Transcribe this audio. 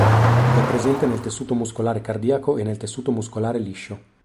È presente nel tessuto muscolare cardiaco e nel tessuto muscolare liscio.